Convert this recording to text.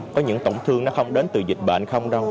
có những tổn thương nó không đến từ dịch bệnh không đâu